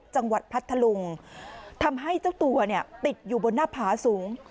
พัทธลุงทำให้เจ้าตัวเนี่ยติดอยู่บนหน้าผาสูง